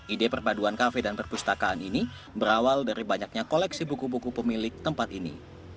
ide perpaduan kafe dan perpustakaan ini berawal dari banyaknya koleksi buku buku pemilik tempat ini